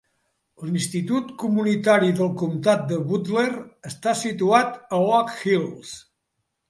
L'institut comunitari del comtat de Butler està situat a Oak Hills.